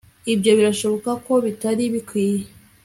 Ibyo birashoboka ko bitari bikwiye